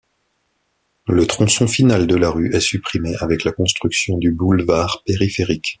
Le tronçon final de la rue est supprimée avec la construction du boulevard périphérique.